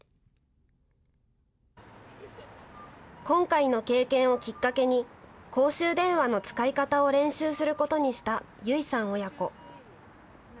今回の経験をきっかけに公衆電話の使い方を練習することにした結衣さん親子。